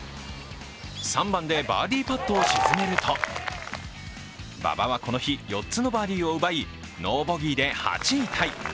３番でバーディーパットを沈めると、馬場はこの日４つのバーディーを奪い、ノーボギーで８位タイ。